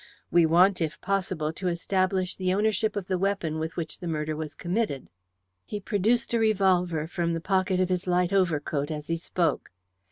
We want, if possible, to establish the ownership of the weapon with which the murder was committed." He produced a revolver from the pocket of his light overcoat as he spoke.